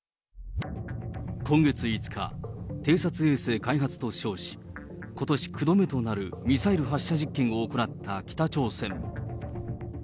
今月５日、偵察衛星開発と称し、ことし９度目となるミサイル発射実験を行った北朝鮮。